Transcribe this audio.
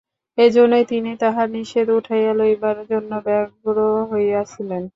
এইজন্য তিনি তাঁহার নিষেধ উঠাইয়া লইবার জন্য ব্যগ্র হইয়াছিলেন।